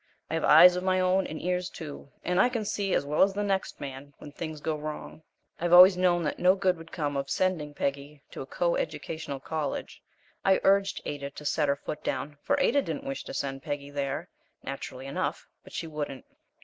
I have eyes of my own, and ears too, and I can see as well as the next man when things go wrong. I have always known that no good would come of sending Peggy to a coeducational college. I urged Ada to set her foot down, for Ada didn't wish to send Peggy there, naturally enough, but she wouldn't.